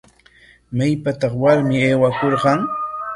¿Maypataq warmi aywakurqan?